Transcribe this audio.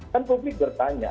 kan publik bertanya